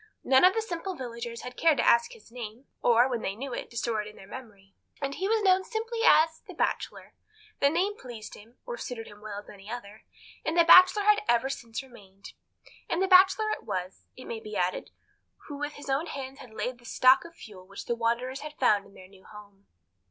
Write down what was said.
None of the simple villagers had cared to ask his name, or, when they knew it, to store it in their memory, and he was known simply as the Bachelor. The name pleased him, or suited him as well as any other, and the Bachelor he had ever since remained. And the Bachelor it was, it may be added, who with his own hands had laid in the stock of fuel which the wanderers had found in their new home.